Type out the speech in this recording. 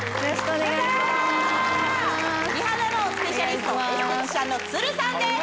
お願いします